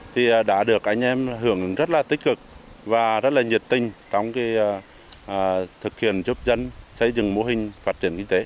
thì đã được anh em hưởng ứng rất là tích cực và rất là nhiệt tình trong thực hiện giúp dân xây dựng mô hình phát triển kinh tế